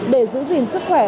để giữ gìn sức khỏe